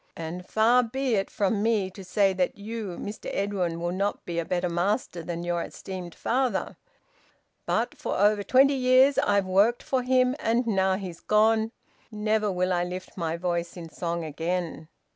"And far be it from me to say that you, Mr Edwin, will not be a better master than your esteemed father. But for over twenty years I've worked for him, and now he's gone, never will I lift my voice in song again!"